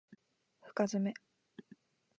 深爪